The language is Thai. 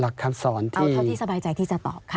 เท่าที่สบายใจที่จะตอบค่ะ